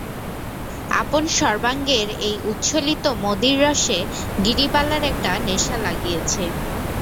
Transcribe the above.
আপন সর্বাঙ্গের এই উচ্ছলিত মদির রসে গিরিবালার একটা নেশা লাগিয়াছে।